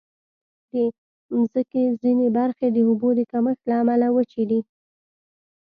د مځکې ځینې برخې د اوبو د کمښت له امله وچې دي.